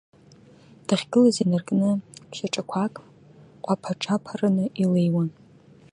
Дахьгылаз инаркны шьаҿақәак ҟәаԥаҿаԥараны илеиуан.